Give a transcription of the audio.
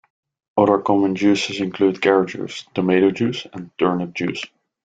Other common juices include carrot juice, tomato juice, and turnip juice.